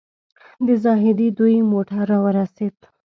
د زاهدي دوی موټر راورسېد.